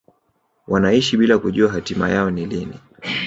wanaishi bila kujua hatima yao ni lini